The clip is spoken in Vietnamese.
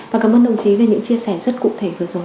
và cảm ơn đồng chí về những chia sẻ rất cụ thể vừa rồi